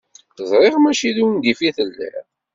Ẓriɣ mačči d ungif i telliḍ.